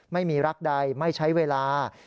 ไม่มีรักใดไม่ใช้เวลา